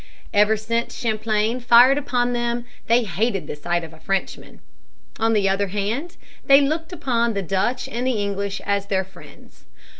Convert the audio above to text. Ever since Champlain fired upon them they hated the sight of a Frenchman. On the other hand, they looked upon the Dutch and the English as their friends.